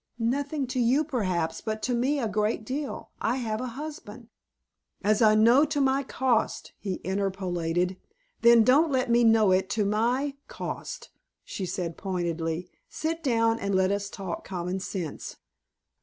"Nothing to you, perhaps, but to me a great deal. I have a husband." "As I know to my cost," he interpolated. "Then don't let me know it to my cost," she said pointedly. "Sit down and let us talk common sense."